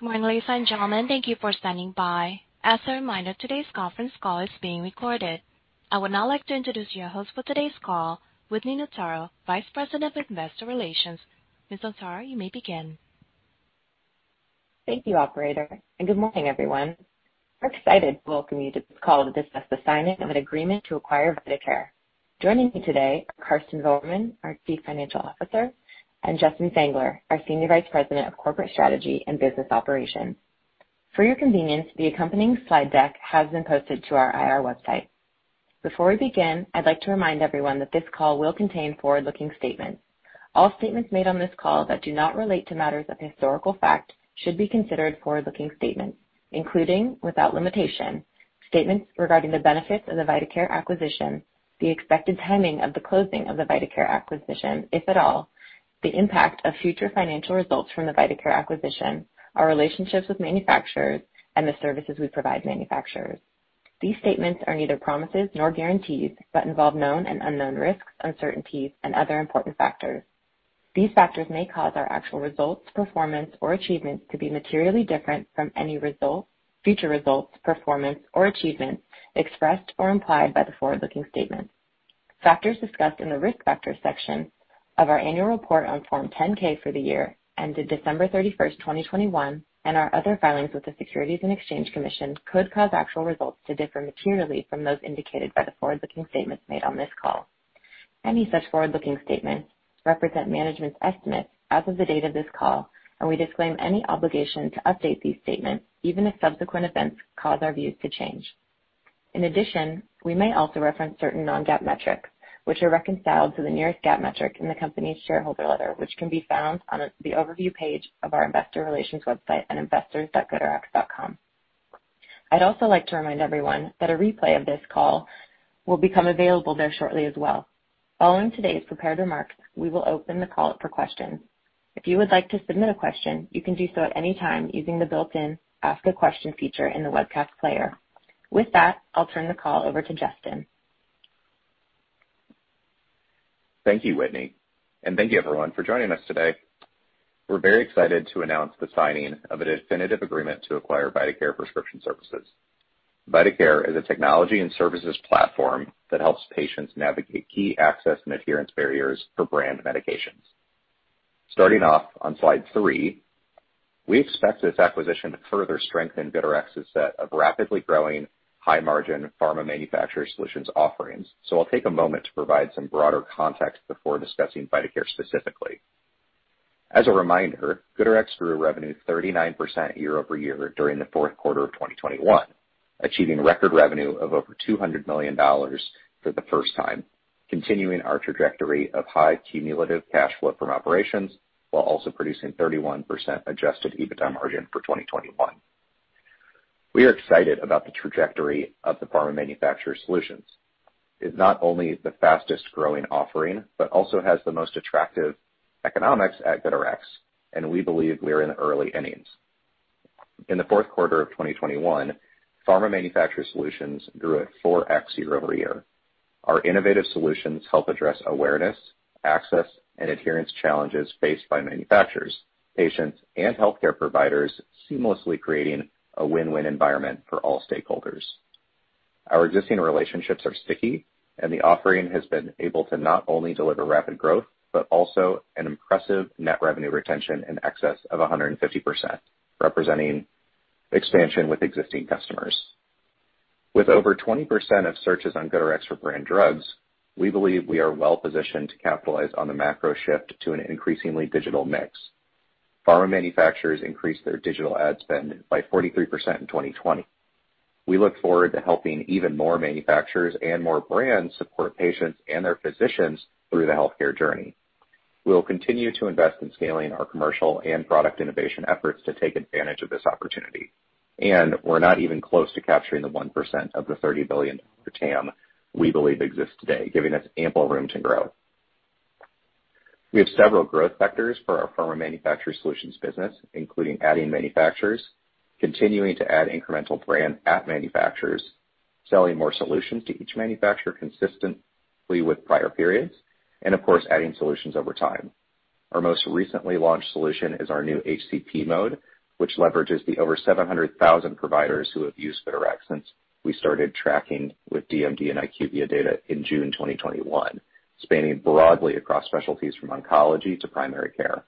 Good morning, ladies and gentlemen. Thank you for standing by. As a reminder, today's conference call is being recorded. I would now like to introduce your host for today's call, Whitney Notaro, Vice President of Investor Relations. Ms. Notaro, you may begin. Thank you, operator, and good morning, everyone. We're excited to welcome you to this call to discuss the signing of an agreement to acquire vitaCare. Joining me today are Karsten Voermann, our Chief Financial Officer, and Justin Fengler, our Senior Vice President of Corporate Strategy and Business Operations. For your convenience, the accompanying slide deck has been posted to our IR website. Before we begin, I'd like to remind everyone that this call will contain forward-looking statements. All statements made on this call that do not relate to matters of historical fact should be considered forward-looking statements, including, without limitation, statements regarding the benefits of the vitaCare acquisition, the expected timing of the closing of the vitaCare acquisition, if at all, the impact of future financial results from the vitaCare acquisition, our relationships with manufacturers, and the services we provide manufacturers. These statements are neither promises nor guarantees, but involve known and unknown risks, uncertainties, and other important factors. These factors may cause our actual results, performance, or achievements to be materially different from any results, future results, performance, or achievements expressed or implied by the forward-looking statements. Factors discussed in the Risk Factors section of our annual report on Form 10-K for the year ended December 31st, 2021, and our other filings with the Securities and Exchange Commission could cause actual results to differ materially from those indicated by the forward-looking statements made on this call. Any such forward-looking statements represent management's estimates as of the date of this call, and we disclaim any obligation to update these statements, even if subsequent events cause our views to change. In addition, we may also reference certain non-GAAP metrics, which are reconciled to the nearest GAAP metric in the company's shareholder letter, which can be found on the overview page of our investor relations website at investors.goodrx.com. I'd also like to remind everyone that a replay of this call will become available there shortly as well. Following today's prepared remarks, we will open the call up for questions. If you would like to submit a question, you can do so at any time using the built-in Ask a Question feature in the webcast player. With that, I'll turn the call over to Justin. Thank you, Whitney. Thank you everyone for joining us today. We're very excited to announce the signing of a definitive agreement to acquire vitaCare Prescription Services. vitaCare is a technology and services platform that helps patients navigate key access and adherence barriers for brand medications. Starting off on slide three, we expect this acquisition to further strengthen GoodRx's set of rapidly growing, high-margin Pharma Manufacturer Solutions offerings, so I'll take a moment to provide some broader context before discussing vitaCare specifically. As a reminder, GoodRx grew revenue 39% year-over-year during the Q4 of 2021, achieving record revenue of over $200 million for the first time, continuing our trajectory of high cumulative cash flow from operations while also producing 31% Adjusted EBITDA margin for 2021. We are excited about the trajectory of the Pharma Manufacturer Solutions. It's not only the fastest growing offering, but also has the most attractive economics at GoodRx, and we believe we are in the early innings. In the Q4 of 2021, Pharma Manufacturer Solutions grew at 4x year-over-year. Our innovative solutions help address awareness, access, and adherence challenges faced by manufacturers, patients, and healthcare providers, seamlessly creating a win-win environment for all stakeholders. Our existing relationships are sticky, and the offering has been able to not only deliver rapid growth, but also an impressive net revenue retention in excess of 150%, representing expansion with existing customers. With over 20% of searches on GoodRx for brand drugs, we believe we are well-positioned to capitalize on the macro shift to an increasingly digital mix. Pharma manufacturers increased their digital ad spend by 43% in 2020. We look forward to helping even more manufacturers and more brands support patients and their physicians through the healthcare journey. We'll continue to invest in scaling our commercial and product innovation efforts to take advantage of this opportunity, and we're not even close to capturing the 1% of the $30 billion TAM we believe exists today, giving us ample room to grow. We have several growth vectors for our Pharma Manufacturer Solutions business, including adding manufacturers, continuing to add incremental brand at manufacturers, selling more solutions to each manufacturer consistently with prior periods, and of course, adding solutions over time. Our most recently launched solution is our new Provider Mode, which leverages the over 700,000 providers who have used GoodRx since we started tracking with DMD and IQVIA data in June 2021, spanning broadly across specialties from oncology to primary care.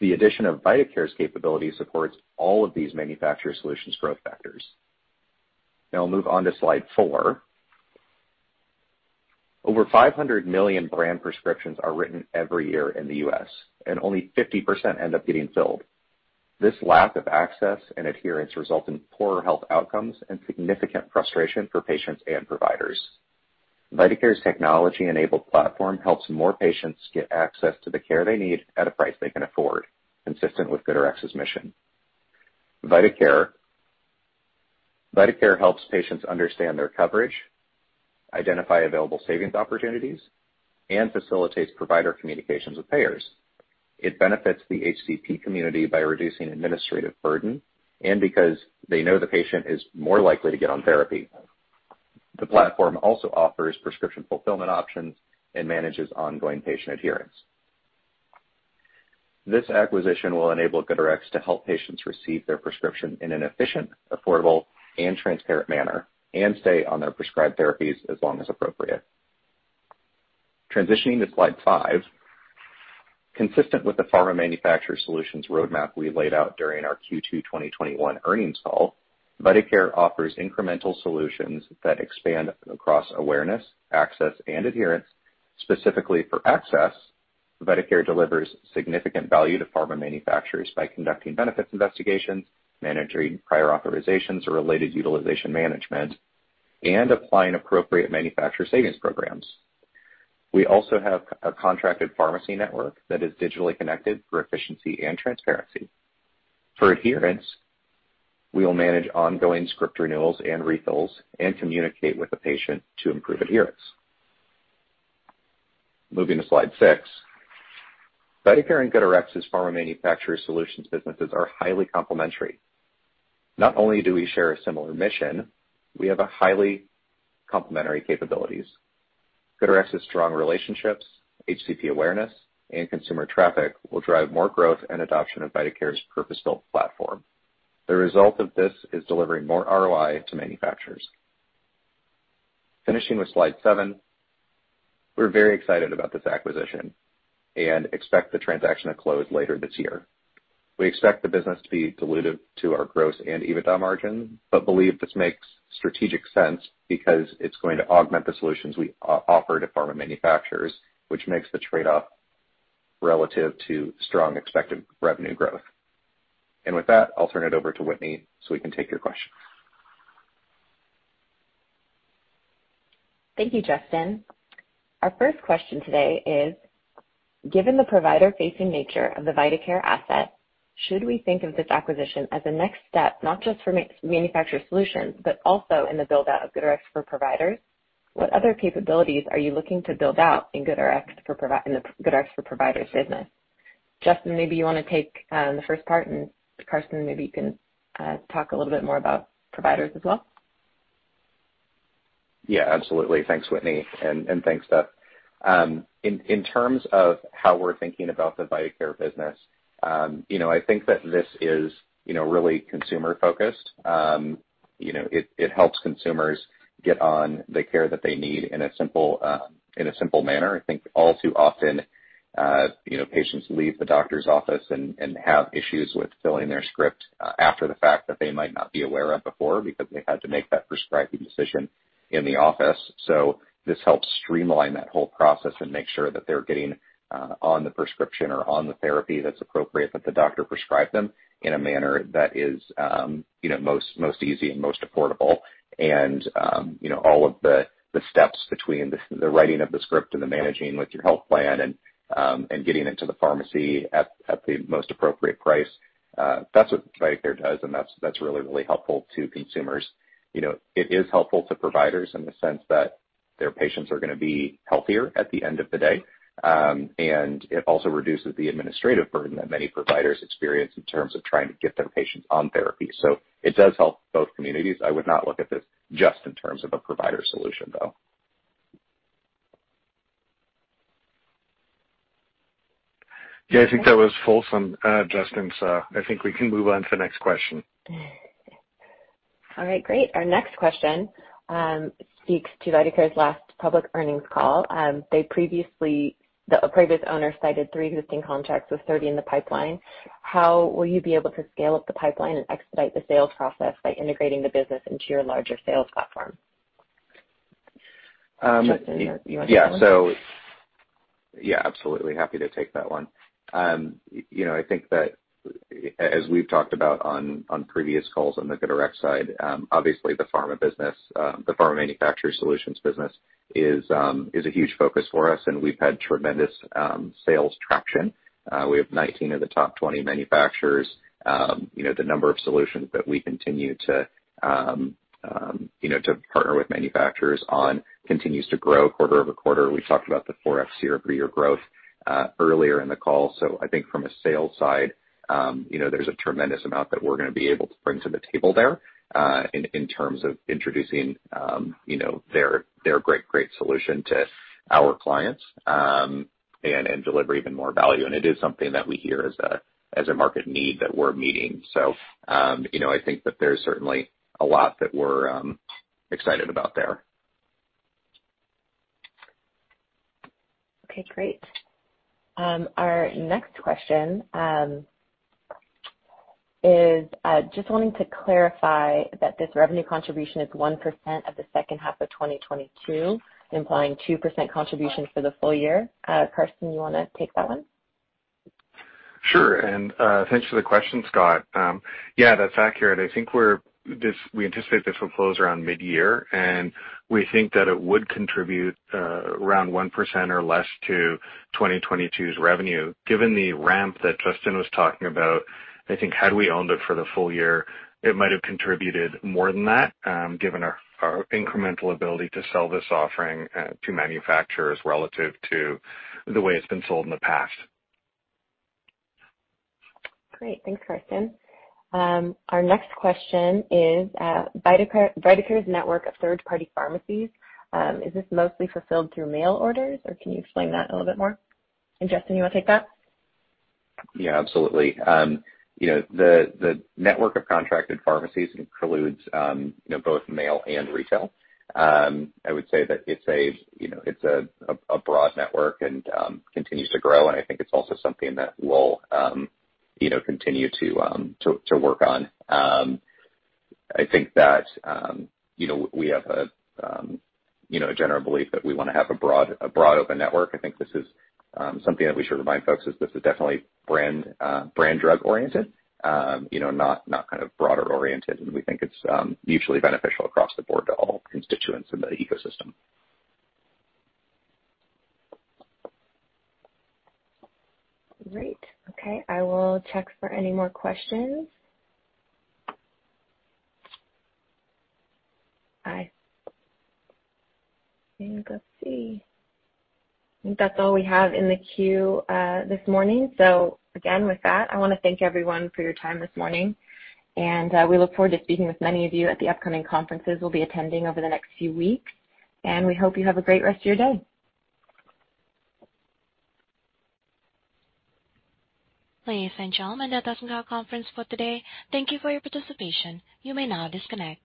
The addition of vitaCare's capability supports all of these manufacturer solutions growth factors. Now I'll move on to slide four. Over 500 million brand prescriptions are written every year in the U.S., and only 50% end up getting filled. This lack of access and adherence result in poorer health outcomes and significant frustration for patients and providers. vitaCare's technology-enabled platform helps more patients get access to the care they need at a price they can afford, consistent with GoodRx's mission. vitaCare helps patients understand their coverage, identify available savings opportunities, and facilitates provider communications with payers. It benefits the HCP community by reducing administrative burden, and because they know the patient is more likely to get on therapy. The platform also offers prescription fulfillment options and manages ongoing patient adherence. This acquisition will enable GoodRx to help patients receive their prescription in an efficient, affordable, and transparent manner, and stay on their prescribed therapies as long as appropriate. Transitioning to slide five. Consistent with the Pharma Manufacturer Solutions roadmap we laid out during our Q2 2021 earnings call, vitaCare offers incremental solutions that expand across awareness, access, and adherence. Specifically for access, vitaCare delivers significant value to pharma manufacturers by conducting benefits investigations, managing prior authorizations or related utilization management, and applying appropriate manufacturer savings programs. We also have a contracted pharmacy network that is digitally connected for efficiency and transparency. For adherence, we will manage ongoing script renewals and refills and communicate with the patient to improve adherence. Moving to slide six. vitaCare and GoodRx's Pharma Manufacturer Solutions businesses are highly complementary. Not only do we share a similar mission, we have highly complementary capabilities. GoodRx's strong relationships, HCP awareness, and consumer traffic will drive more growth and adoption of vitaCare's purpose-built platform. The result of this is delivering more ROI to manufacturers. Finishing with slide seven. We're very excited about this acquisition and expect the transaction to close later this year. We expect the business to be dilutive to our gross and EBITDA margin, but believe this makes strategic sense because it's going to augment the solutions we offer to pharma manufacturers, which makes the trade-off relative to strong expected revenue growth. With that, I'll turn it over to Whitney, so we can take your questions. Thank you, Justin. Our first question today is: Given the provider-facing nature of the vitaCare asset, should we think of this acquisition as a next step, not just for manufacturer solutions, but also in the build-out of GoodRx for Providers? What other capabilities are you looking to build out in the GoodRx for Providers business? Justin, maybe you wanna take the first part, and Karsten, maybe you can talk a little bit more about providers as well. Yeah, absolutely. Thanks, Whitney, and thanks, Duff. In terms of how we're thinking about the vitaCare business, you know, I think that this is, you know, really consumer-focused. You know, it helps consumers get on the care that they need in a simple manner. I think all too often, you know, patients leave the doctor's office and have issues with filling their script after the fact that they might not be aware of before, because they had to make that prescribing decision in the office. This helps streamline that whole process and make sure that they're getting on the prescription or on the therapy that's appropriate that the doctor prescribed them in a manner that is, you know, most easy and most affordable and, you know, all of the steps between the writing of the script and the managing with your health plan and getting it to the pharmacy at the most appropriate price. That's what vitaCare does, and that's really helpful to consumers. You know, it is helpful to providers in the sense that their patients are gonna be healthier at the end of the day, and it also reduces the administrative burden that many providers experience in terms of trying to get their patients on therapy. It does help both communities. I would not look at this just in terms of a provider solution, though. Yeah, I think that was wholesome. Justin, so I think we can move on to the next question. All right. Great. Our next question speaks to vitaCare's last public earnings call. The previous owner cited three existing contracts with 30 in the pipeline. How will you be able to scale up the pipeline and expedite the sales process by integrating the business into your larger sales platform? Justin, you wanna take this one? Yeah. Yeah, absolutely. Happy to take that one. You know, I think that as we've talked about on previous calls on the GoodRx side, obviously the pharma business, the Pharma Manufacturer Solutions business is a huge focus for us and we've had tremendous sales traction. We have 19 of the top 20 manufacturers. You know, the number of solutions that we continue to partner with manufacturers on continues to grow quarter-over-quarter. We talked about the 4x year-over-year growth earlier in the call. I think from a sales side, you know, there's a tremendous amount that we're gonna be able to bring to the table there, in terms of introducing, you know, their great solution to our clients, and deliver even more value. It is something that we hear as a market need that we're meeting. You know, I think that there's certainly a lot that we're excited about there. Okay great. Our next question is just wanting to clarify that this revenue contribution is 1% of the H2 of 2022, implying 2% contribution for the full year. Karsten, you wanna take that one? Sure. Thanks for the question, Scott. Yeah, that's accurate. I think we anticipate this will close around mid-year, and we think that it would contribute around 1% or less to 2022's revenue. Given the ramp that Justin was talking about, I think had we owned it for the full year, it might have contributed more than that, given our incremental ability to sell this offering to manufacturers relative to the way it's been sold in the past. Great. Thanks, Karsten. Our next question is, vitaCare's network of third-party pharmacies, is this mostly fulfilled through mail orders, or can you explain that a little bit more? Justin, you wanna take that? Yeah, absolutely. You know, the network of contracted pharmacies includes, you know, both mail and retail. I would say that it's a broad network and continues to grow, and I think it's also something that we'll continue to work on. I think that, you know, we have a general belief that we wanna have a broad open network. I think this is something that we should remind folks is this is definitely brand drug oriented, you know, not kind of broader oriented. We think it's mutually beneficial across the board to all constituents in the ecosystem. Great. Okay. I will check for any more questions. I think. Let's see. I think that's all we have in the queue, this morning. Again, with that, I wanna thank everyone for your time this morning, and, we look forward to speaking with many of you at the upcoming conferences we'll be attending over the next few weeks, and we hope you have a great rest of your day. Ladies and gentlemen, that does end our conference for today. Thank you for your participation. You may now disconnect.